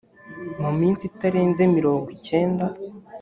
mu minsi itarenze mirongo cyenda